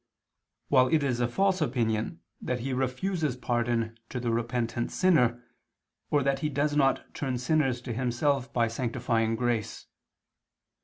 33:11]: while it is a false opinion that He refuses pardon to the repentant sinner, or that He does not turn sinners to Himself by sanctifying grace.